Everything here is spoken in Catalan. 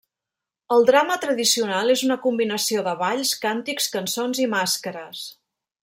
El drama tradicional és una combinació de balls, càntics, cançons, i màscares.